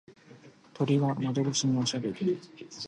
鳥が窓越しにおしゃべり。